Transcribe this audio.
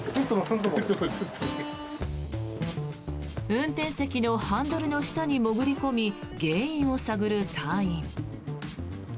運転席のハンドルの下に潜り込み原因を探る隊員。